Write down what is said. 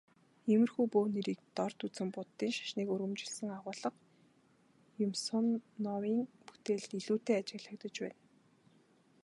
Иймэрхүү бөө нэрийг дорд үзэн Буддын шашныг өргөмжилсөн агуулга Юмсуновын бүтээлд илүүтэй ажиглагдаж байна.